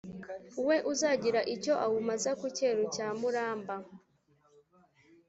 we uzagira icyo awumaza ku cyeru cya muramba.